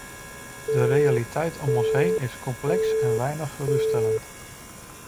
De realiteit om ons heen is complex en weinig geruststellend.